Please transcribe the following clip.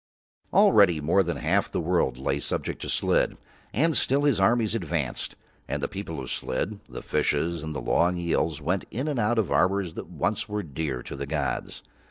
Already more than half the world lay subject to Slid, and still his armies advanced; and the people of Slid, the fishes and the long eels, went in and out of arbours that once were dear to the gods.